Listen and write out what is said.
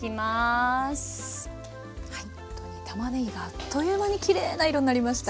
ほんとにたまねぎがあっという間にきれいな色になりました。